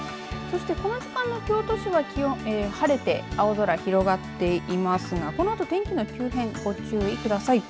そしてこの時間の京都市の気温晴れて青空広がっていますがこのあと天気の急変ご注意ください。